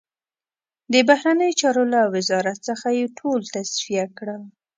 د بهرنیو چارو له وزارت څخه یې ټول تصفیه کړل.